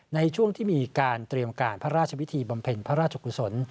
ในช่วงที่มีการเตรียมการพระราชพิธีบำเพ็ญพระราชกุศล